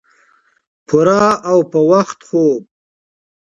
پوره او پۀ وخت خوب